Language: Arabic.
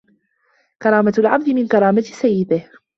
كرامة العبد من كرامة سيده